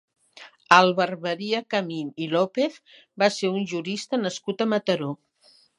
Àlvar Maria Camín i López va ser un jurista nascut a Mataró.